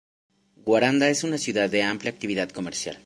Guaranda es una ciudad de amplia actividad comercial.